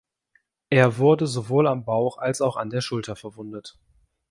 Er wurde sowohl am Bauch als auch an der Schulter verwundet.